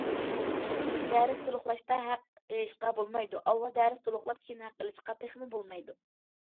دەرس تولۇقلاشتا ھەق ئېلىشقا بولمايدۇ، ئاۋۋال دەرس تولۇقلاپ كېيىن ھەق ئېلىشقا تېخىمۇ بولمايدۇ.